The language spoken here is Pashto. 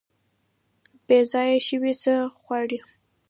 بیځایه شوي څه غواړي؟